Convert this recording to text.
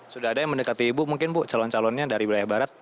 sudah ada yang mendekati ibu mungkin bu calon calonnya dari wilayah barat